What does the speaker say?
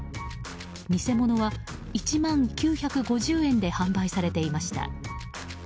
偽物は１万９５０円で販売されていました。